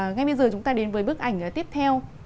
ngay bây giờ chúng ta đến với bức ảnh tiếp theo